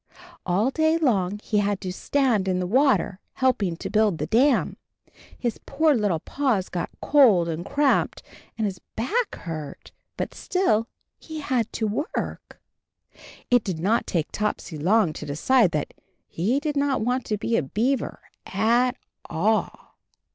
All day long he had to stand in the water, helping to build the dam. His poor little paws got cold and cramped, and his back hurt, but still he had to work. It did not take Topsy long to decide that he did not want to be a beaver at all.